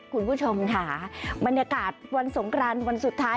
คุณผู้ชมค่ะบรรยากาศวันสงกรานวันสุดท้าย